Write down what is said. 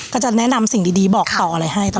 ก็จะแนะนำสิ่งดีบอกต่ออะไรให้ต่อ